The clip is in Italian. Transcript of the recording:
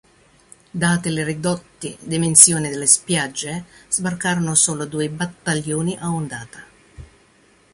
Date le ridotte dimensioni delle spiagge, sbarcarono solo due battaglioni a ondata.